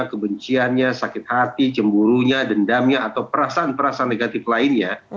kebenciannya sakit hati cemburunya dendamnya atau perasaan perasaan negatif lainnya